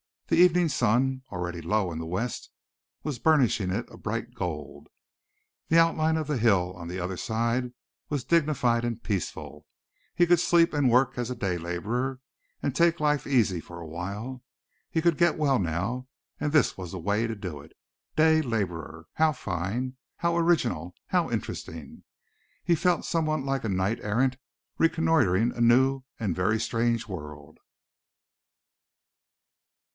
The evening sun, already low in the west was burnishing it a bright gold. The outline of the hill on the other side was dignified and peaceful. He could sleep and work as a day laborer and take life easy for a while. He could get well now and this was the way to do it. Day laborer! How fine, how original, how interesting. He felt somewhat like a knight errant reconnoitring a new and very strange world.